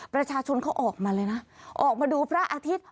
ประชาชนเขาออกมาเลยนะออกมาดูพระอาทิตย์